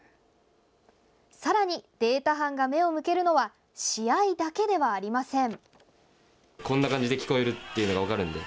さらにデータ班が目を向けるのは試合だけではありません。